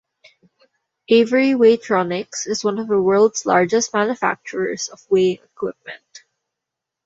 Avery Weigh-Tronix is one of the world's largest manufacturers of weighing equipment.